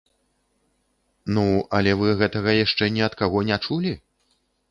Ну, але вы гэтага яшчэ ні ад каго не чулі?